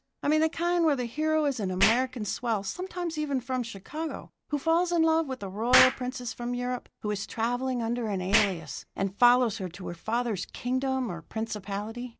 I mean the kind where the hero is an American swell sometimes even from Chicago who falls in love with a royal princess from Europe who is travelling under an alias, and follows her to her father's kingdom or principality?